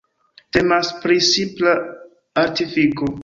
Temas pri simpla artifiko...